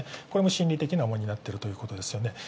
これも心理的な重荷になっているということですよね。